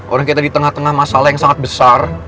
orang kita di tengah tengah masalah yang sangat besar